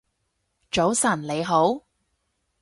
早晨你好